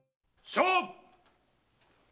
勝負！